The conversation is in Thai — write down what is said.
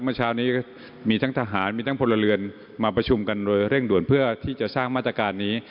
เมื่อเช้านี้ก็มีทั้งทหารมีทั้งพลเรือนมาประชุมกันโดยเร่งด่วนเพื่อที่จะสร้างมาตรการนี้